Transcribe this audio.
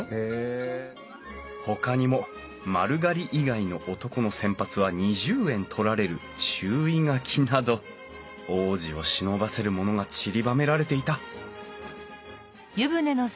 ほかにも丸刈り以外の男の洗髪は２０円取られる注意書きなど往事をしのばせるものがちりばめられていたハルさん。